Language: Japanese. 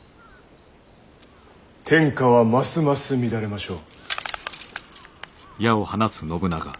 天下はますます乱れましょう。